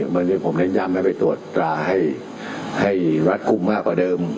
วันนี้ผมเน้นย้ำให้ไปตรวจตราให้รัดกลุ่มมากกว่าเดิม